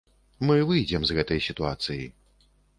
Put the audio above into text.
Мы выйдзем з гэтай сітуацыі.